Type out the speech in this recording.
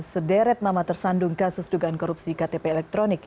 sederet nama tersandung kasus dugaan korupsi ktp elektronik